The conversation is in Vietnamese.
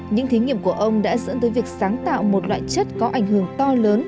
những thí nghiệm của ông đã dẫn tới việc sáng tạo một loại chất có ảnh hưởng to lớn